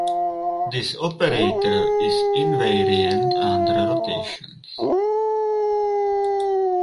This operator is invariant under rotations.